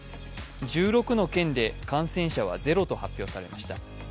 １６の県で感染者はゼロと発表されました。